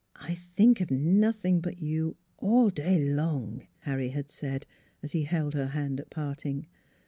" I think of nothing but you, all day long," Harry had said, as he held her hand at parting.